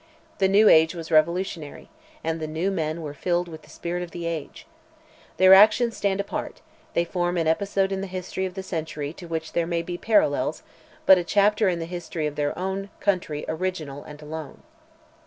The new age was revolutionary, and the new men were filled with the spirit of the age. Their actions stand apart; they form an episode in the history of the century to which there may be parallels, but a chapter in the history of their own country original and alone.